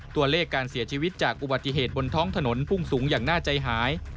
ตัวเลขการเสียชีวิตจากอุบัติเหตุบนท้องถนนพุ่งสูงอย่างน่าใจหาย